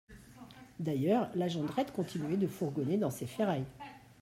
D'ailleurs la Jondrette continuait de fourgonner dans ses ferrailles.